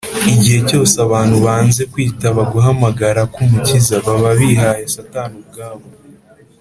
igihe cyose abantu banze kwitaba guhamagara k’umukiza, baba bihaye satani ubwabo